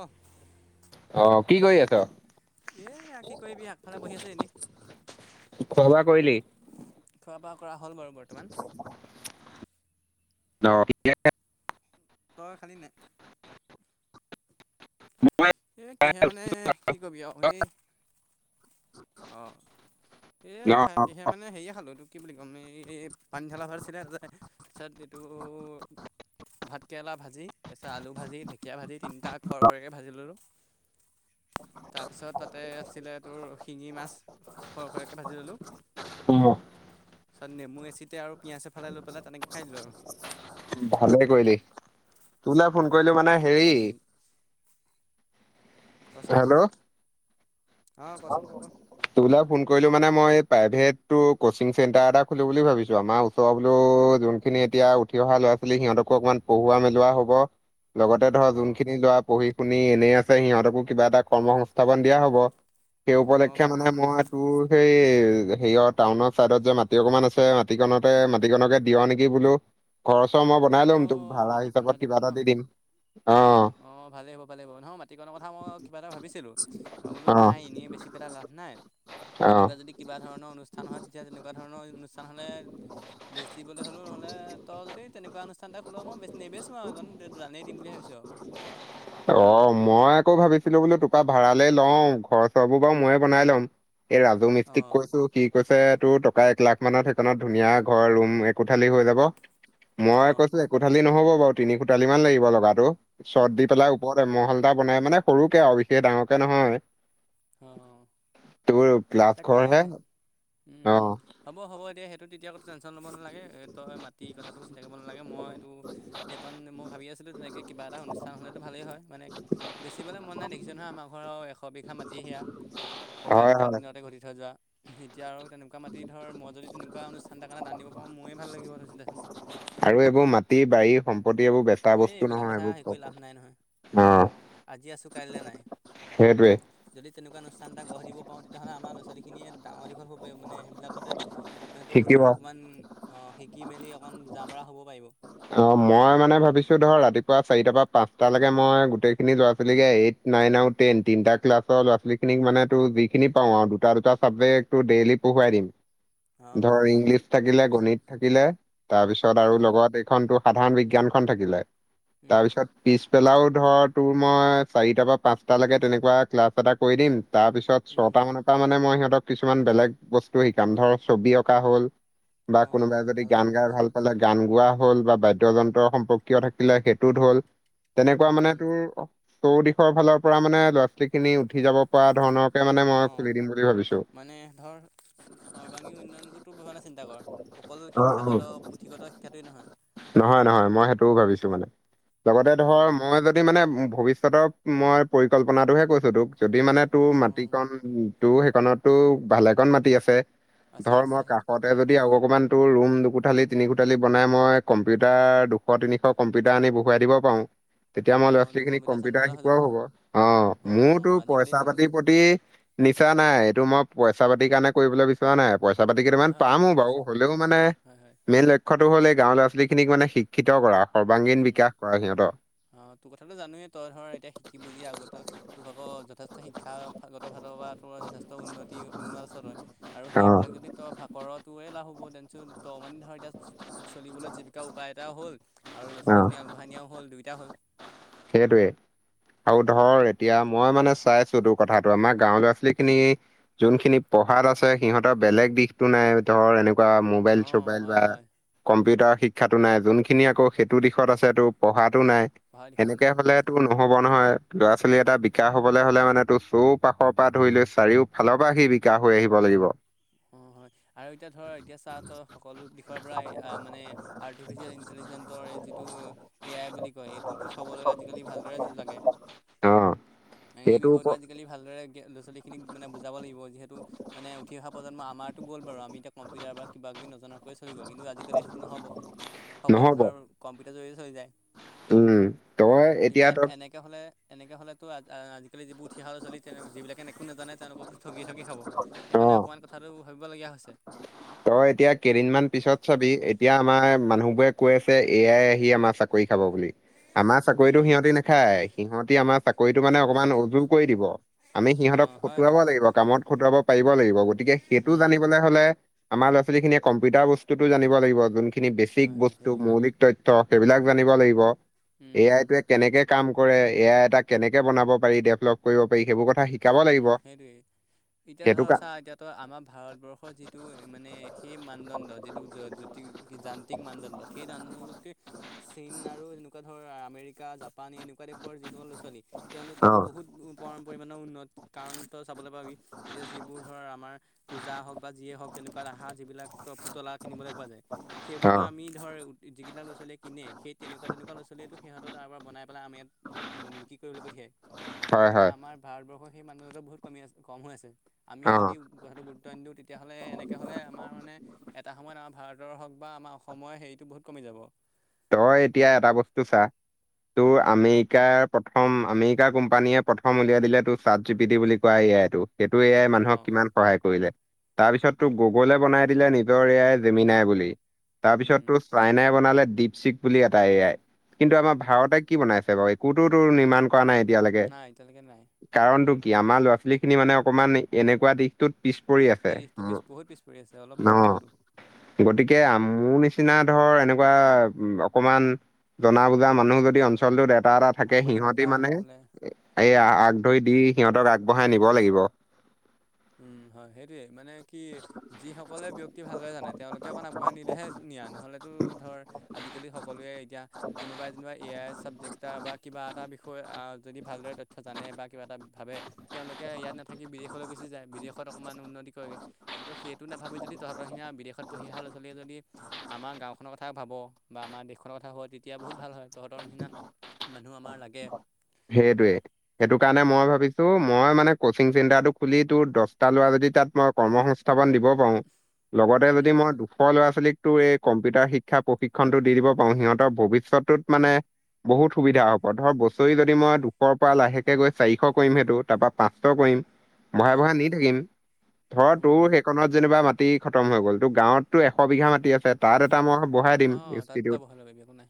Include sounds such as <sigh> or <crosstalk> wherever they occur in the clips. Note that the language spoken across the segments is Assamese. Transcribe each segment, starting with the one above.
অহ অহ, কি কৰি আছ? এই আহ কি কৰিবি আগফালে বহি আছোঁ এনেই। খোৱা-বোৱা কৰিলি? খোৱা-বোৱা কৰা হ'ল বাৰু বৰ্তমান। অহ, <unintelligible> তই খালি নাই? এ কিহে মানে কি কবি আৰু এই। অহ। এই খাই কিহে মানে হেৰিয়ে খালোঁ এইটো কি বুলি ক'ম এই পানীধালা ভাত আছিলে তাতে তাৰপিছত এইটো ভাতকেৰেলা ভাজি, তাৰপিছত, আলু ভাজি, ঢেঁকীয়া ভাজি। তিনিটা খৰ খৰেকৈ ভাজি ল'লোঁ তাৰপিছত তাতে আছিলে তোৰ শিঙি মাছ সৰ সৰেকৈ ভাজি ল'লোঁ,। অ'। তাৰিছত নেমু এচিতেে আৰু পিঁয়াজ এফালে লৈ পেলাই তেনেকৈ খাই লোঁ আৰু,। ভালে কৰিলি তোলৈ ফোন কৰিলো মানে হেৰি আৰু কচোন হেল্ল'। অঁ কচোন ক ক তমুল ফোন কৰিলো মানে মই,। প্ৰাইভেটো কচিং চেণ্টাৰ এটা খুলো বুলি ভাবিছো আমাৰ ওচৰ বোলো যোনখিনি এতিয়া উঠি অহা ল'ৰা'। সিহঁতকো অকমান পঢ়ুৱোৱা মেলোৱা হ'ব, লগতে ধৰ যোন অঁ খিনি লৰা পঢ়ি। আপুনি এনেই আছে সিহঁতকো কিবা এটা কৰ্ম সংস্থাপন দিয়া হব,। সেই অঁ উপলক্ষে ভাল কথা মানে চিন্তা কৰিছ মই তোৰ সেই'। হেৰিয়ৰ টাউনৰ চাইডত যে মাটি অকমান আছে মাটিিকনতে মাটিকনকে দিিয় নেকি বোলো? ঘৰচৰ মই বনাই লম তো ভাড়া হিচাপত কিবা এটা দি দিম,। অ, ভালেই হ'ব ভালে হ'ব নহয় মাটিকণৰ কথা মই কিবা এটা ভাবিছিলো মই বোলো অ', নাই এনেিয়ে বেছি। বেচি পেৰা লাভ নাই। অ', তেনেকুৱা যদি কিবা ধৰণৰ অনুষ্ঠান হয় তেতিয়া তেনেকুৱা ধৰণৰ অনুষ্ঠান হ'লে বেচিবলৈ হ'লেও নহ! ত যদি! তেনেকুৱা অনুষ্ঠান এটা খোলোা মই বেছি নিেবিেচো আৰুণ জানেই দিম বুলি ভাবিছো আৰু অ', মই আকৌ ভাবিছিলো বোলো তোপা ভাড়ালৈ লওঁ ঘৰ চবোৰ বাৰু ময়ে বনাই লম। এই ৰাজু মিস্ত্ৰীিক অঁ কৈছো কি কৈছে,। তোৰ টকা এক লাখ মানত সেইখনত ধুনীয়া ঘৰ ৰুম একোঠালি হৈ যাব,। মই অঁ কৈছো একোঠালি নহ'ব বাৰু তিনি কোঠালি মান লাগিব লগা টো, চট দি পেলাই অঁ ওপৰত এম হল। টা বনাই মানে সৰুকে আৰু বিশেষ ডাঙৰকে নহয় অঁ তোৰ প্লছ কৰ হে তাকে উম অ উম হ'ব হ'ব এতিয়া সেইটো তেতিয়া টেনশ্যন ল'ব নালাগে তই মাি কথাটো চিন্তা কৰিব নালাগে মই এইটো সেইকণ মই ভাবি আছিলোঁ তেনেকৈ কিবা এটা অনুষ্ঠান হলেতটো ভালেই হয় মানে বেচিবলৈ মন নাই দেখিছে নহয় আমাৰ ঘৰৰ এশ বিঘা মাট সেয়া হয় পকাালতাৰ হয় দিনতে ঘটি থৈ যোৱা এতিয়া আৰু তেনেকুৱা মাটি ধৰ মই যদি তেনেকুৱা অনুষ্ঠান এাৰ কাৰণেটান দিব পাৰো ময়ে ভাল লাগিব ধৈছোঁ দেচোন আৰু এইবোৰ মাটি বাৰী সম্পত্তি এইবোৰ বেচা এই বস্তু এইবিলাক নহয় কথা হেৰি কৰি লাভ এইবোৰ অ <inaudible> ান এা সেইটোৱে গঢ় দিব পাৰওঁ তেতিয়াহ'লে আমাৰ ল'ৰাোৱালীখিয় ডাঙৰীঘ হ মানে সেইবিলাকতে শিকিব সিহতোৰ অকমান অ শিকি মেলি অকমান বুজা মৰা হ'ব পাৰিব অ মই মানে ভাবিছো ধৰ ৰাতিপুৱা চাৰিটাাৰ পৰা পাঁচটালৈকে মই গোটেই খিনি যোৱা ছোৱালীগে এই নাইন আৰু টেন তিনিটা ক্লাছৰ ল' ছোৱালিক মানে ত যিিনিাওঁ আৰু দুটা দুটা চাবেক্টেই ধ অ', ইলিছ থাকিলে গণিত থাকিলে তাৰপিছত আৰু হয়, লগত টো সাধাৰণ বিজ্ঞান খন থাকিলে উম, তাৰপিছত পিছ পেলাও ধৰ তোৰ মই চাৰিটা বা পাঁচটা লৈকে তেনেকুৱা ক্লাছ এটা কৰি দিম তাৰপিছত উম, ছট মানৰ পৰা মানে মই সিহঁতক কিছুমান বেলেগ বস্তু শিকাম ধৰ ছবি অঁকা হ'ল বা কোনোবাই অ', যদি ভাল গান কথা গাই লাগিছে, ভাল পালে গান গোৱা হ'ল বা বাদ্যয় যন্ত্ৰ সম্পৰ্কীয় থাকিলে সেইটোত হ'ল তেনেকুৱা উম, মানে উম, তোৰ তৌ দিশৰ ফালৰ পৰা মানে ল'ৰা ছোৱালী খিনি উঠি যাব পৰা ধৰণৰ কেে মানে মই অ', খুলি দিম বুলি ভাবিো মানে ধৰ সৰ্বাংগী উন্নয়ন তো ভে চিন্তা কৰ অকল অ', অ'। শিক্ষাগত ঠিকতা শিক্ষাটোৱেই নহয় নহয় নহয় মই সেইটোও ভাবিছো মানে লগতে ধৰ উম, মই যদি মানে ভি তাৰিছত মই পৰিকল্পনাটোহে কৈছো তোক যদি মানে তোৰ অ', মাটিিকন টো নতো ভালেকন মাটি আছে আছে ধৰ আছে মই সেই কাষতে যদি অকমান তো ৰুম কোঠালি তিনি কোঠালি বনাই মই কম্পিউটাৰ দুশ তিনিশ কম্পিউটাৰ আনি বহুৱাই দিব পাৰো তেতিয়া মই ল'ৰা অ', ছোৱালী তোৰ খিনিক কম্পিউটাৰ চেণ্টাৰতে হৈ যাব, শিকোৱাও হ'ব অ মোৰতো অ', পইচা আজিকালিতো পাতিৰ প্ৰতি নিচা নাই এইটো মই পইচা পাতিৰ কাৰণে কৰিবলৈ বিচৰা নাই পইচা পাতি হয় কেইটামান হয় মই পামো বুজি বাৰু পাইছোঁ, হ'লেও মানে হয় হয়, মেইন লক্ষ্যতো হ'ল এই গাঁৱৰ <unintelligible> খিনিক মানে শিক্ষিত কৰা, সৰ্বাংগীন উম, বিকাশ কৰা সিহঁতক। অ' তোৰ কথাটো জানোৱেই তই ধৰা এতিয়া শিকি বুজি আগতে তোৰ ভাগৰ যথেষ্ট শিক্ষা <unintelligible> <unintelligible> যথেষ্ট উন্নতি উন্ন আচৰ হয় আৰু অ', সেইবিলাক যদি তই ভাগ কৰোঁ তোৰে লাভ হ'ব দেনচোন <unintelligible> ধৰ এতিয়া চ-চলিবলৈ জীৱিকা উপায় এটা হ'ল লৰা অ', ছোৱালিখিনি আগবঢ়াই নিয়াও দুইটা হ'ল। সেইটোৱে। আৰু ধৰ এতিয়া মই মানে চাইছোঁ তোৰ কথাতটো আমাৰ গাঁও ল'ৰা ছোৱালী খিনি যোনখিনি পঢ়াত আছে সিহঁতৰ বেলেগ দিশতো নাই ধৰ এনেক <unintelligible> মোবাইল অ চবাইল হয় বা হয় কম্পিউটাৰ শিক্ষ শিক্ষাতো নাই যোনখিনি আকৌ সেইটো দিশত আছেতো পঢ়াতো নাই। পঢ়া দিশত সেনেকে নাই উম, হ'লে নহ'ব নহয় ল'ৰা <unintelligible> এটা বিকাশ হ'বলৈ হ'লে মানে তোৰ চৌপাশৰ পৰা ধৰি লৈ চাৰিওফালৰ পৰা সি বিকাশ হৈ আহিব লাগিব। উ <unintelligible> আৰু এতিয়া ধৰ এতিয়া চা তই সকলো দিশৰ পৰাই মানে আৰ্টিফিচিয়েল ইণ্টেলিজেন্টৰ যিটো এ আই বুলি কয় এইটোতো <unintelligible> আজিকালি ভালদৰে লাগে। অ', এই সেইটোৰ বিষয়টো ওপৰত আজিকালি ভালদৰে <unintelligible> <unintelligible> খিনিক মানে বুজাব লাগিব যিহেতু মানে উঠি অহা প্ৰজন্ম আমাৰতো গ'ল বাৰু আমি এতিয়া কম্পিউটাৰ বা কিব কিবি নজনাকৈ চলি গ'ল কিন্তু আজিকালি সেইটো নহ'ব। সকলো নহ'ব ধৰ কম্পিউটাৰ জৰিয়তে চলি যায়। উম, তই এতিয়া তই তেনেকে হ'লেতো আ আজিকালি যিবোৰ উঠি অহা ল'ৰা ছোৱালী তেওঁ যিবিলাকে একো নাজানে তেওঁলোকক ঠগি ঠগি খাব সেইকাৰণে অ'। <unintelligible> ভাবিব লগীয়া হৈছে। তই এতিয়া কেইদিনমান পিছত চাবি এতিয়া আমাৰ মানুহ বোৰে কৈ আছে এ আই আহি আমাৰ চাকৰি খাব বুলি। আমাৰ চাকৰিটো উম, সিহঁতি নাখায়, সিহঁতি আমাৰ চাকৰিটো মানে অকমান উজুল কৰি দিব। আমি সিহঁতক অঁ হয়তো খটুৱাব লাগিব কামত খটুৱাব পাৰিব লাগিব গতিকে সেইটো উম, জানিবলৈ হ'লে‌ আমাৰ ল'ৰা ছোৱালীখিনিয়ে কম্পিউটাৰ বস্তুতো জানিব লাগিব যোনখিনি বেছিক হয় হয় বস্তু সেইটোৱেই মৌলিক তথ <unintelligible> সেইবিলাক জান লাগিব, এ উম, আইটোৱে কেনেকে কাম কৰে এ আই এটা কেনেকে বনাব পাৰি ডেভলপ কৰিব পাৰি সেইবোৰ কথা শিকাব লাগিব। উম, সেইটোৱে, এতিয়া সেইটো ধৰ কা চা এতিয়াতো আমাৰ ভাৰতবৰ্ষৰ যিটো মানে সেই মানদণ্ড যিটো জ-জ-জ্যোতি যান্ত্ৰিক মানদণ্ড সেই দানদণ্ডকে চীন আৰু এনেকুৱা ধৰ আমেৰিকা, জাপ পানী এনেকুৱা দেশৰ যিসকল ল'ৰা ছোৱালী অ তেওঁলোকেতো বহুত পৰিমাণৰ উন্নত কাৰণ তই চাবলৈ পাৰি যেতিয়া যিবোৰ ধৰ আমাৰ পূজা হওঁক বা যিয়ে হওঁক তেনেকুৱা অহা যিবিলাক পুতলা কিনিবলৈ পোৱা যায়, অ সেইবোৰতো আমি ধৰ যিকেইটা ল'ৰা ছোৱালীয়ে কিনে সেই তেনেকুৱা তেনেকুৱা ল'ৰা ছোৱালীয়েতো সিহঁতৰ তাৰপৰা বনাই পেলাই আমি ইয়াত ব- বিক্ৰী কৰিবলৈ পঠিয়াই। হয় এতিয়া হয় আমাৰ ভাৰতবৰ্ষ সেই মানদণ্ডাটো বহুত কমি আছে কম হৈ আছে, আমি অ যদি কথাটো গুৰুত্ব নি দিওঁ তেতিয়াহ'লে এনেকৈ হ'লে আমাৰ মানে এ এটা সময়ত আমাৰ ভাৰতৰ হওঁক বা আমাৰ অসমৰ হেৰিতটো বহুত কমি যাব। তই এতিয়া এটা বস্তু চা তোৰ আমেৰিকাৰ প্ৰথম আমেৰিকা কোম্পানীয়ে প্ৰথম উলিয়াই দিলে তোৰ চাট জি পিটি বুলি কোৱা এ আইটো। সেইটো এ আই মানুহক অঁ কিমান সহায় কৰিলে। তাৰপিছতটো গ'গলে বনাই দিলে নিজৰ এ আই জেমি নাই বুলি। তাৰপিছত উম তোৰ চাইনাই বনালে দীপশিক বুলি এটা এ আই। কিন্তু আমাৰ উম ভাৰতে কি বনাইছে বাৰু একোতোতো নিৰ্মাণ কৰা নাই এতিয়ালৈকে, নাই এতিয়ালৈকে নাই কাৰণতটো কি আমাৰ ল'ৰা ছোৱালীখিনি মানে অকমান এনেকুৱা দিশটোত পিছ পৰি আছে, এই দিশটো পিছ বহুত পিছ পৰি আছে অলপ নহয় বহুতো গতিকে মোৰ নিচ নিচিনা ধৰ এনেকুৱা অকমান জনা বুজা মানুহ যদি অঞ্চলটোত এট এটা এটা থাকে আগবাঢ়ি সিহঁতি নাযাওঁ মানে, নহ'লে এইয়া আগ ধৰি দি সিহঁতক আগবঢ়াই নিব লাগিব উম হয় সেইটোয়ে মানে কি যিসকলে ব্য্য়ক্তি ভালকে জানে তেওঁলোকে অকণ আগবঢ়াই নিিলেহে নহলে ধালি সকলোৱে এতিয়া কোনোবাই যেনিবা এ আই চাবজেক্ট বা কিবা এটা বিষয়ে যদি ভালদৰে তথ্য জানে বা কিবা এটা ভাবে তেওঁলোকে ইয়াত নাথাকি বিদেশলৈ গুচি যায় বিদেশত অকণমান উন্নতি কৰেগৈ কিন্তু সেইটো নাভাবি যদি তহঁতৰসিীয়া বিদেশত পঢ়ি স'ৰা ছোৱালীয়ে যদি আমাৰ গাঁওখনৰ কথা ভাব বা আমাৰ দেশখনৰ কথা হ তেতিয়া বহুত ভাল হয় তহঁতৰ নিিনাত মানুহ আমাৰ লাগে সেইটোৱে সেইটো কাৰণে মই ভাবিছো মই মানে কচিং চেণ্টাৰটো খুলি তোৰ দহটা লোৱা য য তাত মই কৰ্ম সংস্থাপন দিব পাৰোঁ লগতে যদি উম মই দুশৰ ল'ৰা ছোৱালীক এই কম্পিউটাৰ শিক্ষা প্ৰশিক্ষনটো দি দিব পাৰো সিহঁতৰ ভৱিষ্যতটোত মানে বহুত সুবিধা হ পব ধৰ বস্তু ৰি যদি মই দুশৰ পৰা লাহেকে গৈ চাৰিশ কৰিম সেইটো তাৰ পৰাৰা পাঁচশ কৰিম ব়া ব়া অঁ নি থাকিম ধৰ তোৰ উম সেইখনত যেনিবা মাটি খতম হৈ গ'ল তো গাঁৱতো এশ বিঘা মাটি আছে তাত অঁ তাত এটা বহাই ল'বি একো নাই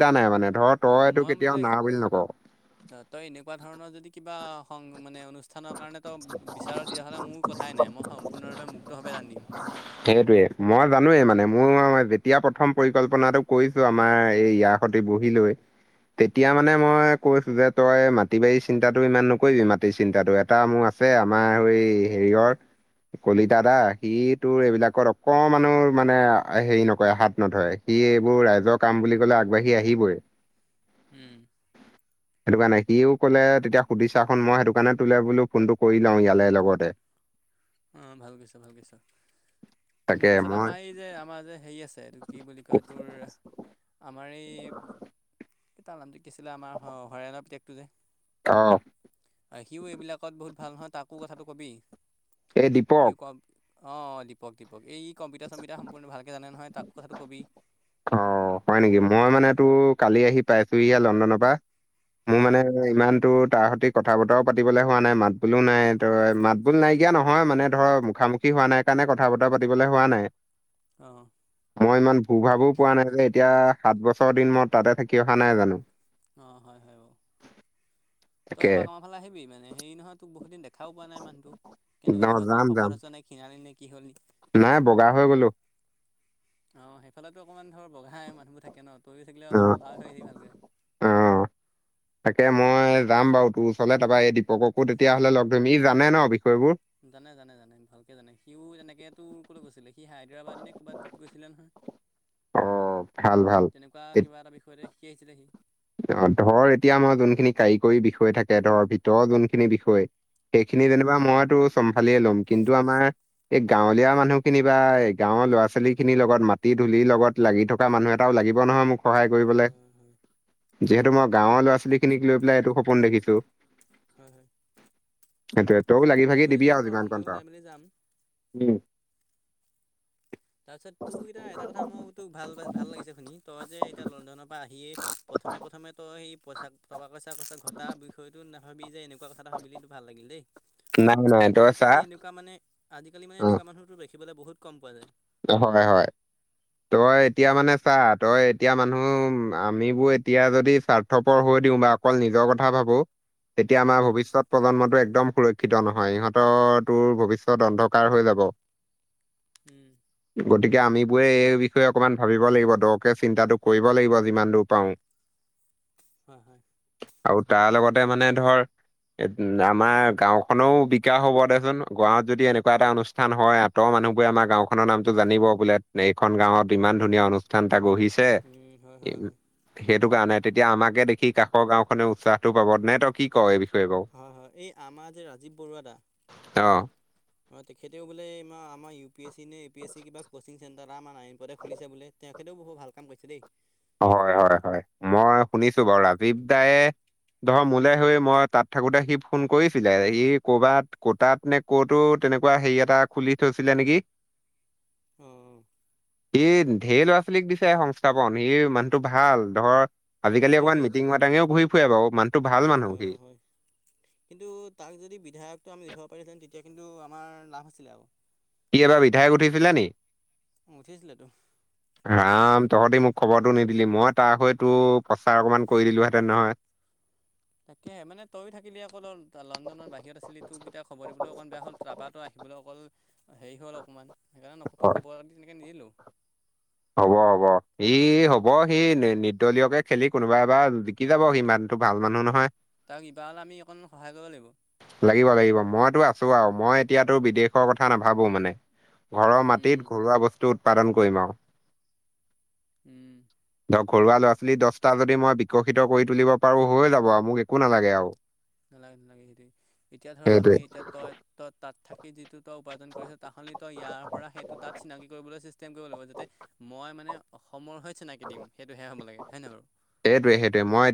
থ এটা নাই মানে অ মই মুঠতে নকওঁ তই এনেকুৱা ধৰণৰ যদি কিবা সং মানে অনুষ্ঠানৰ কাৰণে তো বিচাৰো তেতিয়াহ'লে মোৰ কথাই নাই মই সম্পূৰ্ণৰূপে মুক্তভাৱে ৰাান্িম সেইটয়ে মই জানোে মানে মোৰ যেতিয়া প্ৰথম পৰিকল্পনাটো কৰিছো আমাৰ এই ইয়াৰ সতে বহি লৈ তেতিয়া মানে মই কৈছো যে তই মাটি বাৰী চিন্তাাতো ইমান নকৰিবিি মাটি চিন্তাটো এটা মোৰ আছে আমাৰ স হেৰিয়ৰ কলিতা দা সি তোৰ এইবিলাকত অকমানো মানে হেৰি নকৰে হাত নধৰে সি এইবোৰ ৰাইজৰ কাম বুলি ক'লে আগবাঢ়ি আহিবই উম সেইটো কাৰ নাই সিও কলে তেতিয়া সুধিছাখন মই সেইটো দোকানে তোলে বোলো ফোনটো কৰি লও ইয়ালে লগতে অ ভালকৈছা ভালকৈছা তাকে তাৰিছত মই আমাৰ এই যে আমাৰ যে হেৰি আছে এইটো কি বুলি কয় তোৰ আমাৰ এই তাৰ নামটো কি আছিলে আমাৰ হৰাণৰ প্ৰিতকটো যে অ সিও এইবিলাকত বহুত ভাল নহয় তাকো কথাটো কবি এ দীপক অ দীপক দীপক এই কম্পিউটাৰ চম্পিউটাৰ সম্পূৰ্ণ ভালকে জানে নহয় তাক কথাটো কবি অ হয় নেকি মই মানে তোৰ কালি আহি পাইছো ইয়া লণ্ডনৰ পৰা মোৰ মানে অঁ ইমানতটো তাৰ সতি কথা বতৰাও পাতিবলৈ হোৱা নাই মাত বোলো নাই তই মাত বোল নাইকিয়া নহয় মানে ধৰ মুখামুখি হোৱা নাই কাৰণ কথা ব পাতিবলে হোৱা নাই অঁ মই ইমান ভূ ভাবু এতিয়া সাত বছৰ দিন মই তাতে থাকি অহা নাই জানো অ হয় হয় ব তই তাকে এপাৰ কামাৰ ফালে আহিবি মানে হেৰি নহয় তোক বহুত দিন দেখাও পোৱা নাই মানুহটো কেনেকুৱা নহোৱা ন যাম শকত যাম হৈছে নাই খিাাৰ ন নাই বগা হৈ গলো অ সেইফালেতো অকণমান ধৰ বগাই মানুহবোৰ থাকে ন তৰি থাকিলে অ অলপ বগা হয় আহি ভালকে অ তাকে মই যাম বাৰু তোৰ ওচৰলে তাৰপৰা এই দীপককো তেতিয়া হ'লে লগ ধৰিম ই জানে ন বিষয়বোৰ জানে জানে জানে ভালকে জানে সিও তেনেকে তোৰ কলে গৈছিলে সি সি হায়দৰাবাদ নে ক'ৰবাত গৈছিলে নহয় অ ভাল ভাল তেনেকুৱা এত- কিবা এটা বিষয়তে শিকি আহিছিলে সি অ ধৰ এতিয়া আমাৰ যোনখিনি কাৰিকৰী বিষয় থাকে ধৰ ভিতৰৰ যোনখিনি বিষয় সেইখিনি উম যেনিবা মইতো চম্ফালিয় ল'ম কিন্তু আমাৰ এই গাঁৱলীয়া মানুহখিনি বা গাঁৱৰ ল'ৰা ছোৱালী খিনিৰ লগত মাটিত ধূলি লগত লাগি থকা মানুহ এটাও লাগিব নহয় মোক সহায় অ, হ, কৰিবলে অ, হ, যিহেতু মই গাঁৱৰ ল'ৰা ছোৱালীখিক লৈ পেলাই এইটো সপোন দেখিছোঁ হয়, হয়, সেইটোয়ে তইও লাগি ভাগি ময়ো দিবি যাম আৰু বাৰু যিমান ময়ো কন পাৰ ওলাই মেলি যাম। উম, তাৰপিছত তোৰ কিতা এটা কথা মোৰ তোৰ ভাল ভাল লাগিছে শুনি তই যে এতিয়া লণ্ডনৰ পৰা আহিয়ে প্ৰথম প্ৰথম তই সেই পইচাক টকা পইচা ঘটা বিষয়টো নাভাবি যে এনেকুৱা কথা ভাবিলি সেইটো ভাল লাগিল দেই। নাই নাই তই চা আজিকালি এনেকুৱা মানে আজিকালি মানে এনেকুৱা মানুহ তোৰ দেখেবলৈ বহুত কম পোৱা যায়। হয়, হয়, তই এতিয়া মানে চা তই এতিয়া মানুহ আমিবোৰ এতিয়া যদি স্বাৰ্থপৰ হৈ বা অকল নিজৰ কথা ভাবোঁ, তেতিয়া আমাৰ উম ভৱিষ্যত প্ৰজন্মটো একদম ক্ষিত নহয় ইহঁতৰ তোৰ ভৱিষ্যত অন্ধকাৰ হৈ যাব। উম, গতিকে আমি বোৰে এই বিষয়ে অকমান ভাবিব লাগিব দৰকে চিন্তাটো কৰিব লাগিব যিমান দূৰ পাওঁ। হয় হয় আৰু তাৰ লগতে মানে ধৰ এ আমাৰ গাঁও খনেও বিকাশ হব দেচোন গাঁৱত যদি এনেকুৱা এটা অনুষ্ঠান হয় আতৰ মানুহ বোৰে আমাৰ গাঁওখনৰ নামটো জানিব বোলে, এইখন গাঁৱত ইমান ধুনীয়া অনুষ্ঠান এটা গঢ়ি ছে উম হয় হয় হয় সেইটো কাৰণে তেতিয়া আমাকে দেখি কাষৰ গাঁওখনে উৎসাহটো পাব নে তই কি কয় এই বিষয়ে বাৰু হয়, হয়, এই আমাৰ যে ৰাজীৱ বৰুৱা দা তেখেতেও বোলে আমাৰ ইউ পি এ চি নে পি এছ চি কিবা কচিং চেণ্টাৰ এটা আমাৰ নাৰায়ণপুৰতে খুলিছে বোলে, তেখেতেও বহু ভাল কাম কৰিছে দেই। হয়, হয়, হয়, মই শুনিছো বাৰু ৰাজীৱ দায়ে ধৰ মোলে হৈ মই তাত থাকোতে সি ফোন কৰিছিলে ই কৰবাত ক'তাত নে ক'তোত তেনেকুৱা হেৰি এটা খুলি থৈছিলে নেকি? অঁ সি ঢেৰ ল'ৰা ছোৱালীক দিছে সংস্থাপন সি মানুহটো ভাল ধৰ অঁ অঁ আজিকালি অকণমান সেইটোৱেই মিটিং মাটঙেও ঘূৰি ফুৰে বাৰু মানুহটো ভাল ঘূৰি ফুৰে মানুহ সি অঁ হয় কিন্তু তাক যদি বিধায়কটো আমি উঠাব পাৰিলো হেঁতেন তেতিয়া কিন্তু আমাৰ লাভ আছিলে আৰু সি এইবাৰ বিধাইক উঠিছিলে নি উঠিছিলেতো ৰাম তহঁতি মোক খবৰটো নিদিলি মই তাৰ হৈতো প্ৰচাৰ অকণমান কৰি দিলোঁহেঁতেন নহয় তাকেহে মানে তয়ো থাকিলি অকল অ' লণ্ডনৰ বাহিৰত আছিলি তোক এতিয়া খবৰ দিবলৈও অকন বেয়া হল তাৰপা তই আহিল বোলে অকল হেৰি হ'ল অকণমান সেইকাৰণে খবৰ হয় তোক তেনেকৈ নিদিলোঁ। হ'ব, হ'ব, সি হ'ব সি নিৰ্দলীয়কে খেলি কোনোবা এবাৰ জিকি যাব সি মানুহ টো ভাল মানুহ নহয় তাক ইবাৰলে আমি অকণমান সহায় কৰিব লাগিব। চ মই এতিয়াতো বিদেশৰ কথা নাভাবো মানে ঘৰৰ উম মাটিত ঘৰুৱা বস্তুত উৎপাদন কৰিম আৰু উম, ধক ঘৰুৱা ল'ৰা ছোৱালী দশটা যদি মই বিকশিত কৰি তুলিব পাৰো হৈ যাব আৰু মোক একো নালাগে আৰু নালাগে নালাগে সেইটো এতিয়া ধৰ আমি সেইটোৱে এতিয়া তই তই তাত থাকি যিটো তই উপাৰ্জন কৰিছ তাৰ সলনি ইয়াৰ পৰা সেইটো তাত চিনাকি কৰিবলৈ চিষ্টেম কৰিব লাগিব যাতে মই মানে সমৰ হৈ চিনাকি দিম সেইটোহে হ'ব লাগে হয় নে বাৰু? সেইটোৱে সেইটোৱে মই এতিয়া